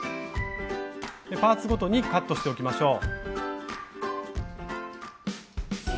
パーツごとにカットしておきましょう。